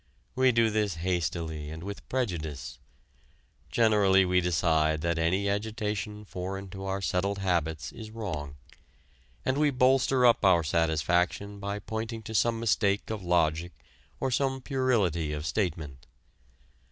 We do this hastily and with prejudice. Generally we decide that any agitation foreign to our settled habits is wrong. And we bolster up our satisfaction by pointing to some mistake of logic or some puerility of statement.